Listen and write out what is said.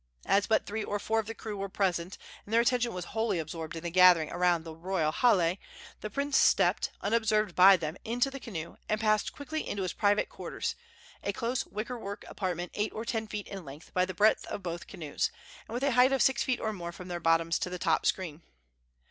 As but three or four of the crew were present, and their attention was wholly absorbed in the gathering around the royal hale, the prince stepped, unobserved by them, into the canoe, and passed quickly into his private quarters a close wicker work apartment eight or ten feet in length by the breadth of both canoes, and with a height of six feet or more from their bottoms to the top screen.